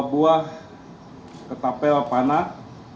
dua buah ketapel panah